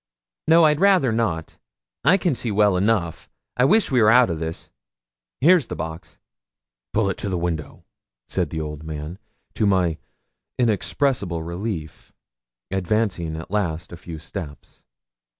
'No, I'd rayther not; I can see well enough. I wish we were out o' this. Here's the box.' 'Pull it to the window,' said the old man, to my inexpressible relief advancing at last a few steps.